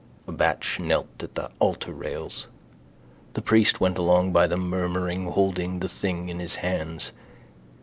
A batch knelt at the altarrails. The priest went along by them, murmuring, holding the thing in his hands.